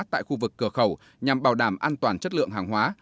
tại khu vực cửa khẩu nhằm bảo đảm an toàn chất lượng hàng hóa